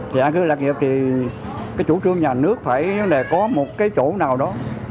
vì an cư lạc nghiệp thì cái chủ trương nhà nước phải vấn đề có một cái chỗ nào đó